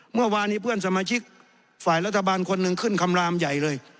เมื่อวานนี้เพื่อนสมาชิกฝ่ายรัฐบาลคนหนึ่งขึ้นคำรามใหญ่เลย